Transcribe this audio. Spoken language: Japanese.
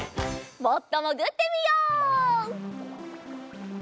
もっともぐってみよう。